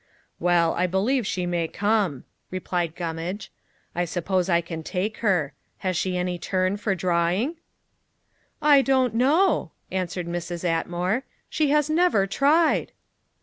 "Well, I believe she may come," replied Gummage: "I suppose I can take her. Has she any turn for drawing?" "I don't know," answered Mrs. Atmore, "she has never tried."